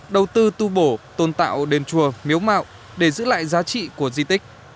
đầu tư tu bổ tôn tạo đền chùa miếu mạo để giữ lại giá trị của di tích